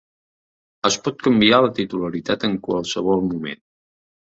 Es pot canviar la titularitat en qualsevol moment.